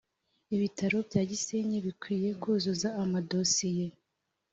ibitaro bya gisenyi bikwiye kuzuza amadosiye